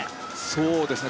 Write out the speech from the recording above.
そうですね